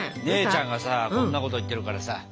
姉ちゃんがさこんなこと言ってるからさ。